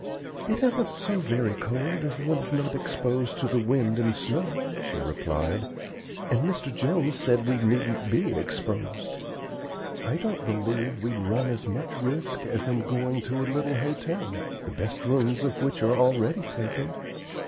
"It isn't so very cold if one is not exposed to the wind and snow," she replied, "and Mr. Jones says we needn't be exposed. I don't believe we'd run as much risk as in going to a little hotel, the best rooms of which are already taken.